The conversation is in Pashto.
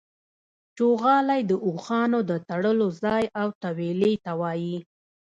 چوغالی د اوښانو د تړلو ځای او تویلې ته وايي.